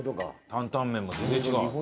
担々麺も全然違う。